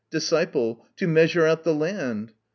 DISCIPLE. To measure the land.